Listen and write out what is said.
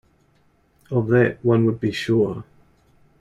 Of that one would be sure.